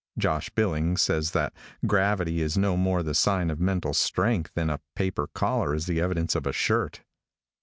Josh Billings says that gravity is no more the sign of mental strength than a paper collar is the evidence of a shirt.